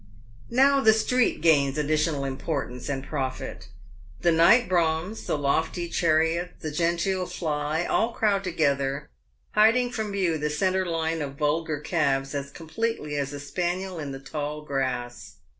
Now the street gains additional importance and profit. The night broughams, the lofty chariots, the genteel fly, all crowd together, hiding from view the centre line of vulgar cabs as completely as a spaniel in the tall grass.